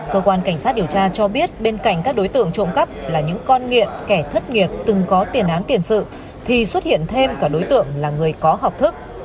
cơ quan cảnh sát điều tra cho biết bên cạnh các đối tượng trộm cắp là những con nghiện kẻ thất nghiệp từng có tiền án tiền sự thì xuất hiện thêm cả đối tượng là người có học thức